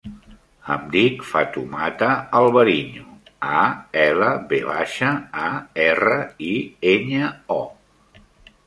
Em dic Fatoumata Alvariño: a, ela, ve baixa, a, erra, i, enya, o.